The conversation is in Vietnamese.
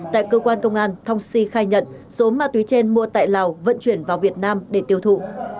tại cơ quan công an thong si khai nhận số ma túy trên mua tại lào vận chuyển vào việt nam để tiêu thụ